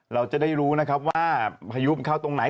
เราจะได้รู้นะครับว่าพายุมันเข้าตรงไหน